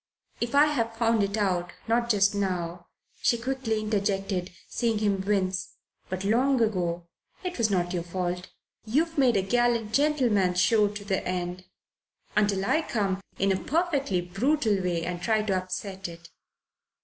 "If I have found it out not just now," she quickly interjected, seeing him wince, "but long ago it was not your fault. You've made a gallant gentleman's show to the end until I come, in a perfectly brutal way, and try to upset it.